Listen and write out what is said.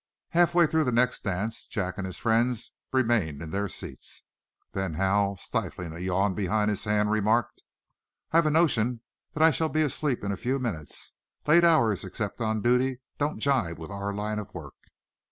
Half way through the next dance Jack and his friends remained in their seats. Then Hal, stifling a yawn behind his hand, remarked: "I've a notion that I shall be asleep in a few minutes. Late hours, except on duty, don't jibe with our line of work."